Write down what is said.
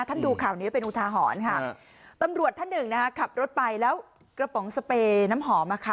ดูข่าวนี้เป็นอุทาหรณ์ค่ะตำรวจท่านหนึ่งนะคะขับรถไปแล้วกระป๋องสเปรย์น้ำหอมอ่ะค่ะ